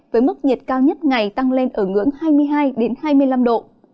với mức nhiệt cao nhất ngày tăng lên ở ngưỡng hai mươi hai hai mươi năm độ